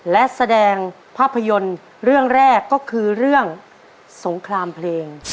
และแสดงภาพยนตร์เรื่องแรกก็คือเรื่องสงครามเพลง